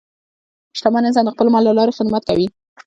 شتمن انسان د خپل مال له لارې خدمت کوي.